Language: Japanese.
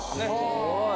すごい！